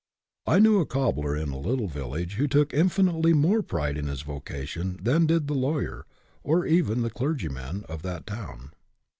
I knew a cobbler in a little village who took infinitely more pride in his vocation than did the lawyer, or even the clergyman, of that town.